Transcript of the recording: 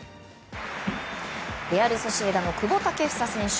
レアル・ソシエダの久保建英選手。